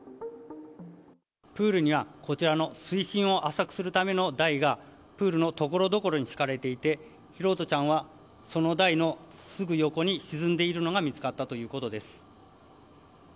プールには、こちらの水深を浅くするための台が、プールのところどころに敷かれていて、拓杜ちゃんは、その台のすぐ横に沈んでいるのが見つかったということです。